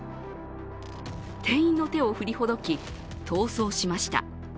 店員の手を振りほどき、逃走しました。